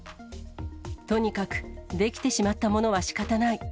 とにかく、出来てしまったものはしかたない。